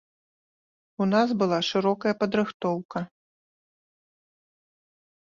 У нас была шырокая падрыхтоўка.